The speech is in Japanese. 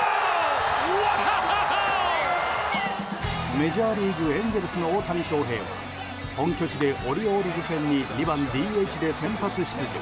メジャーリーグエンゼルスの大谷翔平は本拠地でオリオールズ戦に２番ＤＨで先発出場。